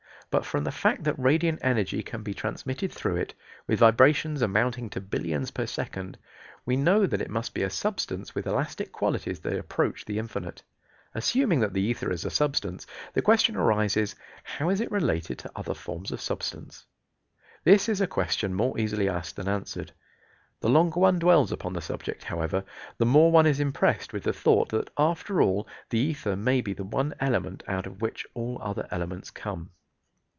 But from the fact that radiant energy can be transmitted through it, with vibrations amounting to billions per second, we know that it must be a substance with elastic qualities that approach the infinite. Assuming that the ether is a substance, the question arises how is it related to other forms of substance? This is a question more easily asked than answered. The longer one dwells upon the subject, however, the more one is impressed with the thought that after all the ether may be the one element out of which all other elements come.